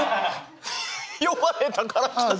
呼ばれたから来た！